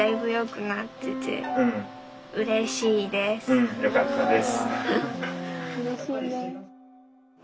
うんよかったです。